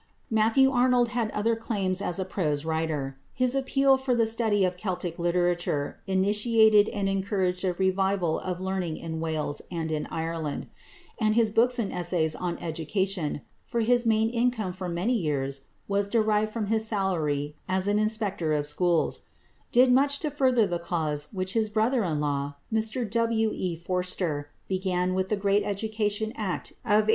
Matthew Arnold had other claims as a prose writer. His appeal for the study of Celtic literature initiated and encouraged a revival of learning in Wales and in Ireland; and his books and essays on Education for his main income for many years was derived from his salary as an Inspector of Schools did much to further the cause which his brother in law, Mr W. E. Forster, began with the great Education Act of 1870.